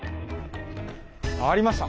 ありました